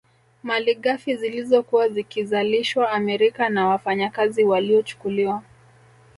Malighafi zilizokuwa zikizalishwa Amerika na wafanyakazi waliochukuliwa